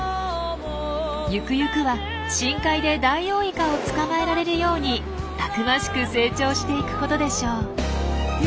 ゆくゆくは深海でダイオウイカを捕まえられるようにたくましく成長していくことでしょう。